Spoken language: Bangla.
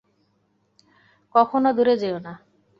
কখনো দূরে যেওনা।